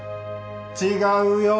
違うよ。